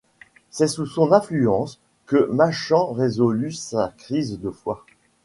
C'est sous son influence que Machen résolut sa crise de foi.